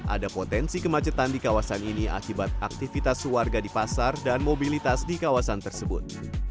ada potensi kemacetan di kawasan ini akibat aktivitas warga di pasar dan mobilitas di kawasan tersebut